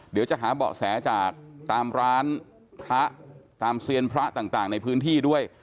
เดี๋ยวจะหาเบาะแสจากตามร้านพระตามเซียนพระต่างในพื้นที่ด้วย